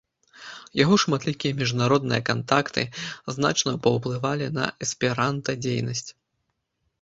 Яго шматлікія міжнародныя кантакты значна паўплывалі на эсперанта-дзейнасць.